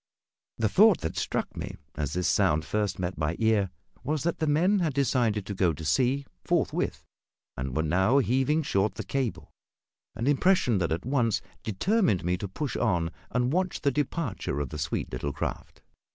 The thought that struck me, as this sound first met my ear, was that the men had decided to go to sea forthwith, and were now heaving short the cable an impression that at once determined me to push on and watch the departure of the sweet little craft.